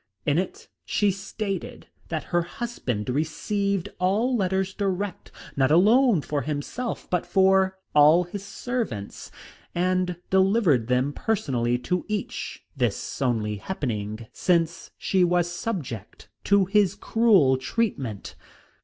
In it she stated that her husband received all letters direct, not alone for himself, but for all his servants, and delivered them personally to each, this only happening since she was subject to his cruel treatment.